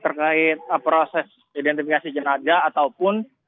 terkait proses identifikasi jenazah ataupun